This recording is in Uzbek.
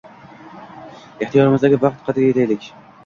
Ixtiyorimizdagi vaqt qadriga yetaylik.